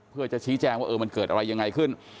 เพื่อจะชี้แจงว่ามันเกิดอะไรยังไงขึ้น